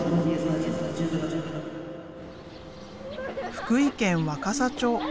福井県若狭町。